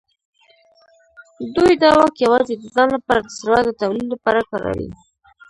دوی دا واک یوازې د ځان لپاره د ثروت د تولید لپاره کاروي.